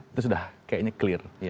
itu sudah kayaknya clear